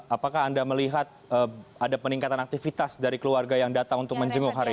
apakah anda melihat ada peningkatan aktivitas dari keluarga yang datang untuk menjenguk hari ini